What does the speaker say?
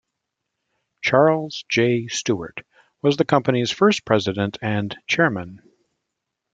Charles J. Stewart was the company's first president and chairman.